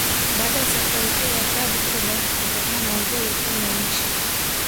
Baada ya safari hiyo ya tabu kubwa kutokana na mvua iliyokuwa inanyesha